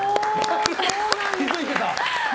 気づいてた？